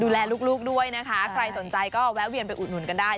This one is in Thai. ดูแลลูกด้วยนะคะใครสนใจก็แวะเวียนไปอุดหนุนกันได้